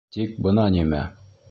Тик бына нимә.